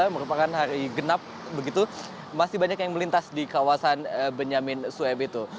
merupakan hari genap begitu masih banyak yang melintas di kawasan benyamin sueb itu